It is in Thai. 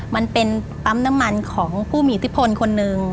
มันเป็นปั๊มน้ำมันของผู้มีอิทธิพลคนหนึ่ง